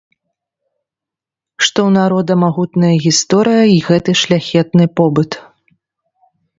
Што ў народа магутная гісторыя і гэты шляхетны побыт.